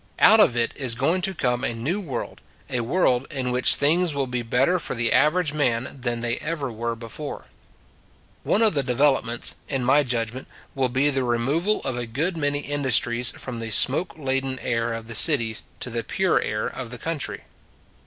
Out of it is going to come a new world a world in which things will be better for the average man than they ever were before. 50 It s a Good Old World One of the developments, in my judg ment, will be the removal of a good many industries from the smoke laden air of the cities to the pure air of the country.